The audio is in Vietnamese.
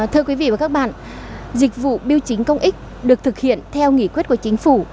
thưa quý vị và các bạn dịch vụ biêu chính công ích được thực hiện theo nghị quyết của chính phủ